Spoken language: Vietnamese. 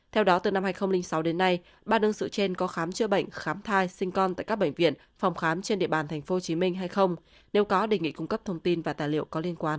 theo đó từ năm hai nghìn sáu đến nay ba đương sự trên có khám chữa bệnh khám thai sinh con tại các bệnh viện phòng khám trên địa bàn tp hcm hay không nếu có đề nghị cung cấp thông tin và tài liệu có liên quan